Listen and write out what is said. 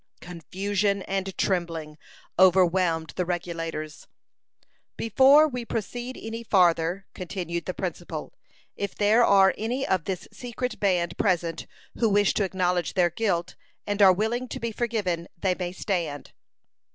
Confusion and trembling overwhelmed the Regulators. "Before we proceed any farther," continued the principal, "if there are any of this secret band present who wish to acknowledge their guilt, and are willing to be forgiven, they may stand."